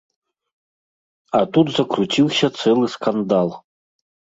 А тут закруціўся цэлы скандал.